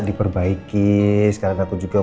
diperbaiki sekarang aku juga